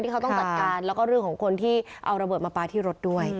เขาต้องจัดการแล้วก็เรื่องของคนที่เอาระเบิดมาปลาที่รถด้วย